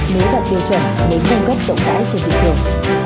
nếu đạt tiêu chuẩn mới cung cấp rộng rãi trên thị trường